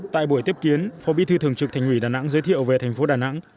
tại buổi tiếp kiến phó bí thư thường trực thành ủy đà nẵng giới thiệu về thành phố đà nẵng